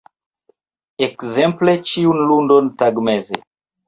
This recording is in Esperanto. Ekzemple ĉiun lundon tagmeze.